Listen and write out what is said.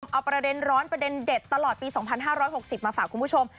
เอาประเด็นร้อนประเด็นเด็ดตลอดปี๒๕๖๐มาฝากคุณผู้ชม